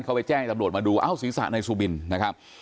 เขาไปแจ้งตำรวจมาดูเอ้าศีรษะนายสุบินนะครับ